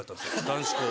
男子校。